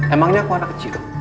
emangnya aku anak kecil